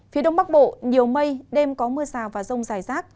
phía đông bắc bộ nhiều mây đêm có mưa rào và rông dài rác